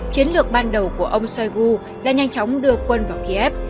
chiến lược ban đầu của ông shoigu là nhanh chóng đưa quân vào kiev